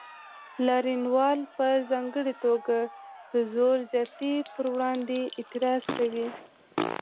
لاریونوال په ځانګړې توګه د زور زیاتي پر وړاندې اعتراض کوي.